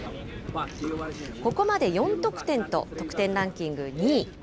ここまで４得点と、得点ランキング２位。